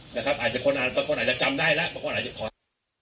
คนอาจจะกลับได้แล้วคนอาจจะขอแข่ง